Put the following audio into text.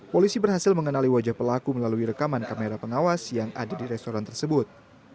polisi berhasil mengenali wajah pelaku melalui rekaman kamera pengawas yang ada di restoran tersebut